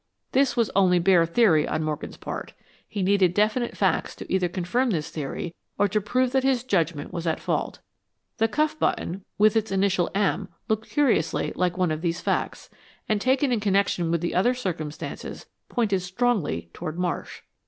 This was only bare theory on Morgan's part. He needed definite facts to either confirm this theory, or to prove that his judgment was at fault. The cuff button, with its initial "M," looked curiously like one of these facts, and, taken in connection with the other circumstances, pointed strongly toward Marsh.